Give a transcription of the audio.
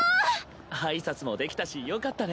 挨拶もできたしよかったね。